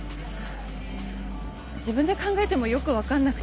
自分で考えてもよく分かんなくて。